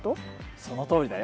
そのとおりだよ。